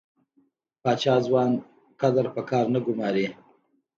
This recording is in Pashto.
پاچا ځوان کدر په کار نه ګماري .